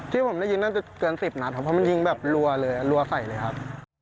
ที่ผมได้ยินน่าจะเกิน๑๐นัดครับเพราะมันยิงแบบรัวเลยรัวใส่เลยครับ